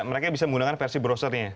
mereka bisa menggunakan versi browsernya